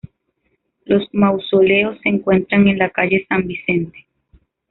Los mausoleos se encuentran en la calle San Vicente.